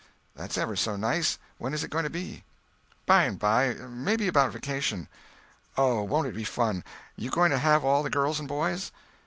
"That's ever so nice. When is it going to be?" "By and by. Maybe about vacation." "Oh, won't it be fun! You going to have all the girls and boys?"